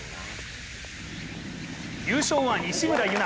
優勝は西村優菜。